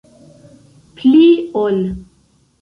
Pli ol.